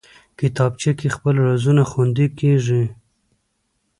کتابچه کې خپل رازونه خوندي کېږي